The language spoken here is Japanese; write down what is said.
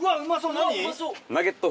何？